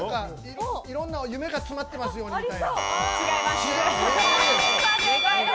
いろんな夢が詰まってますようにみたいな。